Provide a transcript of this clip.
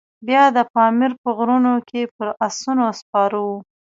بیا د پامیر په غرونو کې پر آسونو سپاره وو.